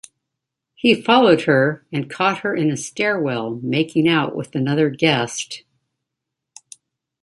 He followed her and caught her in a stairwell making out with another guest.